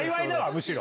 むしろ。